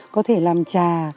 có thể làm trà